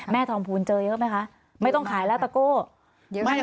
แม่ทอมภูนย์เจอเยอะไหมคะไม่ต้องขายแล้วตะโก้เดี๋ยวให้คุยไม่